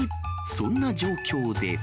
そんな状況で。